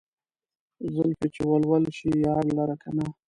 زلفې چې ول ول شي يار لره کنه